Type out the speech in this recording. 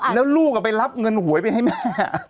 แล้วลูกไปรับเงินหวยไปให้แม่